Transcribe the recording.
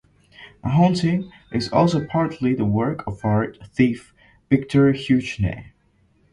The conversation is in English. The 'haunting' is also partly the work of art thief Victor Hugenay.